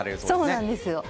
そうなんですよ。